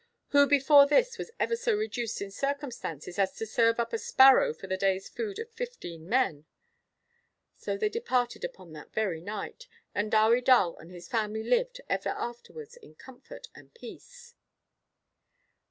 Who before this was ever so reduced in circumstances as to serve up a sparrow for the day's food of fifteen men?" So they departed upon that very night. And Dewi Dal and his family lived, ever afterwards, in comfort and peace.'